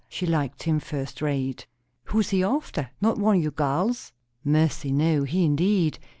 She liked him first rate." "Who's he after? Not one o' your gals?" "Mercy, no! He, indeed!